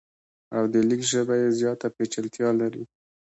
او د لیک ژبه یې زیاته پیچلتیا لري.